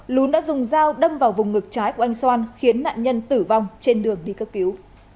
lún đã dùng dao đâm vào vùng ngực trái của anh xoan khiến nạn nhân tử vong trên đường đi cấp cứu